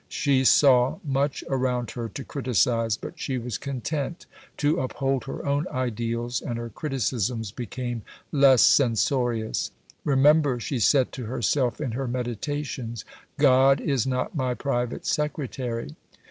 She saw much around her to criticize, but she was content to uphold her own ideals and her criticisms became less censorious. "Remember," she said to herself in her meditations, "God is not my Private Secretary."